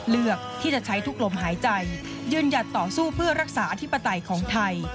เลือกที่จะใช้ทุกลมหายใจยืนหยัดต่อสู้เพื่อรักษาอธิปไตยของไทย